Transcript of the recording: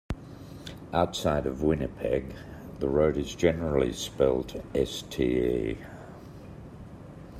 Outside of Winnipeg, the road is generally spelled Ste.